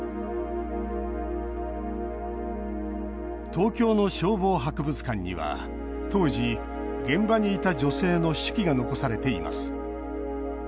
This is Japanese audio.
東京の消防博物館には当時、現場にいた女性の手記が残されています。